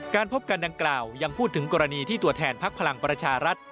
พบกันดังกล่าวยังพูดถึงกรณีที่ตัวแทนพักพลังประชารัฐ